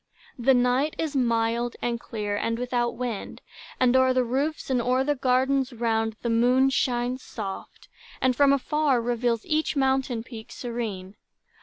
The night is mild and clear, and without wind, And o'er the roofs, and o'er the gardens round The moon shines soft, and from afar reveals Each mountain peak serene.